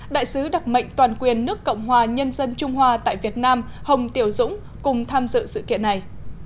đại sứ đặc mệnh toàn quyền nước cộng hòa nhân dân trung hoa tại việt nam hồng tiểu dũng cùng tham dự sự kiện này